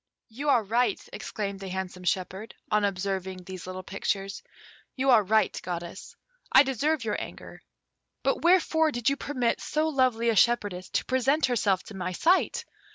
"You are right," exclaimed the handsome shepherd, on observing these little pictures; "you are right, Goddess. I deserve your anger; but wherefore did you permit so lovely a shepherdess to present herself to my sight?